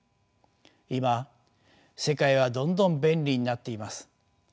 今世界はどんどん便利になっています。